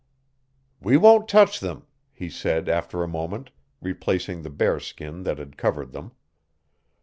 "We won't touch them," he said after a moment, replacing the bear skin that had covered them.